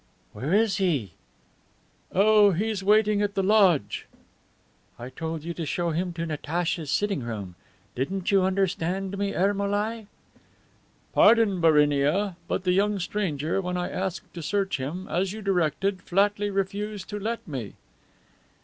"Where is he?" "Oh, he is waiting at the lodge." "I told you to show him to Natacha's sitting room. Didn't you understand me, Ermolai?" "Pardon, Barinia, but the young stranger, when I asked to search him, as you directed, flatly refused to let me."